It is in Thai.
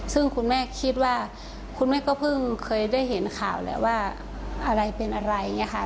ซึ่งคุณแม่คิดว่าคุณแม่ก็เพิ่งเคยได้เห็นข่าวแหละว่าอะไรเป็นอะไรอย่างนี้ค่ะ